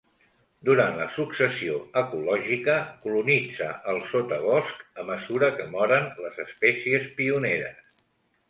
Durant la successió ecològica, colonitza el sotabosc a mesura que moren les espècies pioneres.